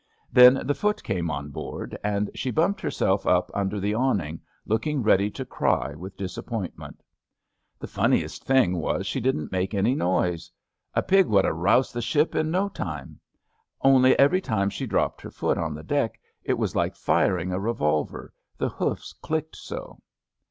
' Then the foot came on board, and she bumped herself up under the awning, looking ready to cry with disappoint ment. The funniest thing was she didn't make any noise— a pig would ha' roused the ship in no time — only every time she dropped her foot on the deck it was like firing a revolver, the hoofs clicked so.